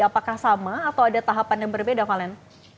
apakah sama atau ada tahapan yang berbeda valen